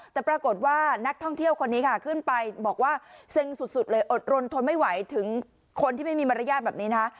แต่ปรากฏว่านักท่องเที่ยวคนนี้ค่ะขึ้นไปบอกว่าเซ็งสุดเลยอดรนทนไม่ไหวถึงคนที่ไม่มีมารยาทแบบนี้นะคะ